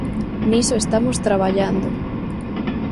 Niso estamos traballando.